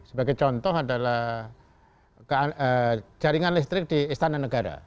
sebagai contoh adalah jaringan listrik di istana negara